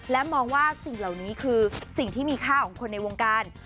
และมองว่าสิ่งเหล่านี้คือสิ่งที่มีค่าของคนในวงการ